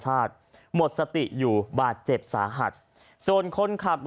จังหวะเดี๋ยวจะให้ดูนะ